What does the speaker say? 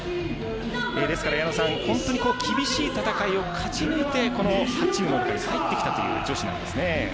矢野さん、本当に厳しい戦いを勝ち抜いてここに入ってきたという女子なんですね。